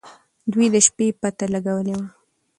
دوی د شپې پته لګولې وه.